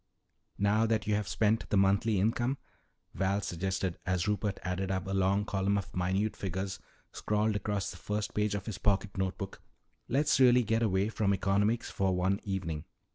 "Now that you have spent the monthly income," Val suggested as Rupert added up a long column of minute figures scrawled across the first page of his pocket note book, "let's really get away from economics for one evening.